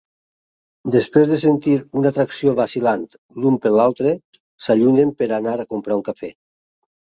Després de sentir una atracció vacil·lant l'un per l'altre, s'allunyen per anar a comprar un cafè.